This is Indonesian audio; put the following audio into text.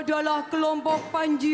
distrik nahunyak puerena